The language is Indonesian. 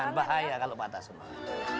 bukan bahaya kalau patah semangat